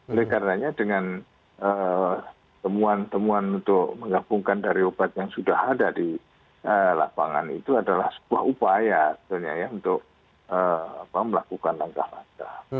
oleh karenanya dengan temuan temuan untuk menggabungkan dari obat yang sudah ada di lapangan itu adalah sebuah upaya sebenarnya ya untuk melakukan langkah langkah